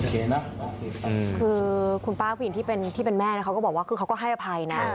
คือคุณป้าผู้หญิงที่เป็นแม่นะเขาก็บอกว่าคือเขาก็ให้อภัยนะ